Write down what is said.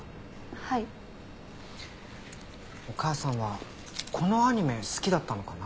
お母さんはこのアニメ好きだったのかな？